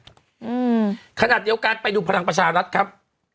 อืมขนาดเดียวกันไปดูพลังประชารัฐครับ